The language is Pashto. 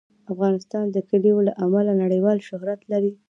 افغانستان د کلیو له امله نړیوال شهرت لري.